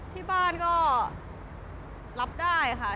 ที่บ้านก็รับได้ค่ะ